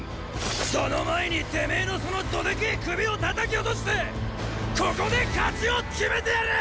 その前にてめェのそのどでけェ首を叩き落としてここで勝ちを決めてやる！！